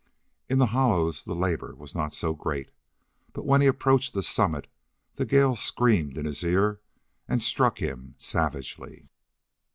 In the hollows the labor was not so great, but when he approached a summit the gale screamed in his ear and struck him savagely.